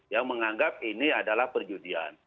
yang menganggap ini adalah perjudian